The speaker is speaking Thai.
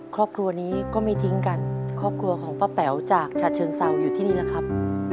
ครอบครัวนี้ก็ไม่ทิ้งกันครอบครัวของป้าแป๋วจากฉัดเชิงเซาอยู่ที่นี่แหละครับ